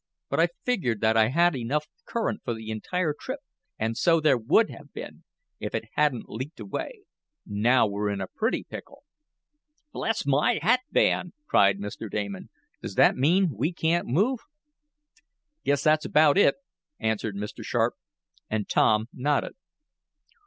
But I figured that I had enough current for the entire trip, and so there would have been, if it hadn't leaked away. Now we're in a pretty pickle." "Bless my hat band!" cried Mr. Damon. "Does that mean we can't move?" "Guess that's about it," answered Mr. Sharp, and Tom nodded.